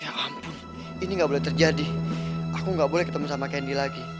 candy ya ampun ini gak boleh terjadi aku gak boleh ketemu sama candy lagi